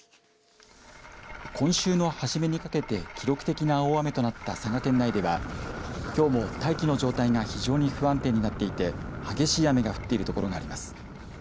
今週の初めにかけて記録的な大雨となった佐賀県内ではきょうも大気の状態が非常に不安定になっていて激しい雨が降っているところがあります。